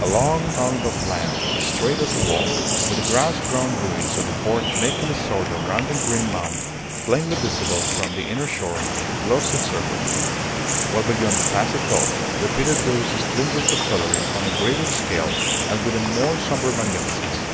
A long tongue of land, straight as a wall, with the grass grown ruins of the fort making a sort of rounded green mound, plainly visible from the inner shore, closed its circuit; while beyond the Placid Gulf repeated those splendours of colouring on a greater scale and with a more sombre magnificence.